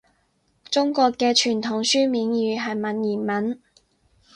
中國嘅傳統書面語係文言文